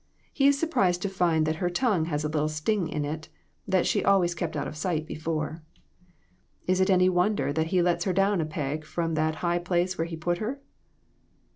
He is surprised to find that her tongue has a little sting in it that she always kept out of sight before. Is it any wonder that he lets her down a peg from that high place where he put her?"